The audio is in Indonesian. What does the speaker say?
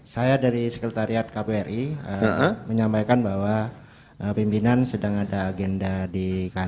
saya dari sekretariat kbri menyampaikan bahwa pimpinan sedang ada agenda di kantor